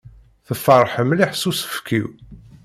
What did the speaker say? Tefreḥ mliḥ s usefk-iw.